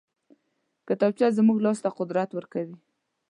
کتابچه زموږ لاس ته قدرت ورکوي